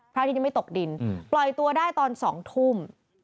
อาทิตยังไม่ตกดินปล่อยตัวได้ตอน๒ทุ่ม